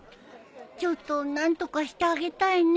ちょっと何とかしてあげたいね。